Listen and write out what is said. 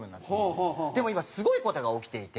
でも今すごい事が起きていて。